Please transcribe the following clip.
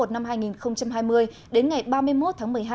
năm hai nghìn hai mươi đến ngày ba tháng một